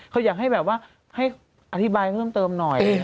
เขาอยากให้แบบว่าให้อธิบายเพิ่มเติมหน่อย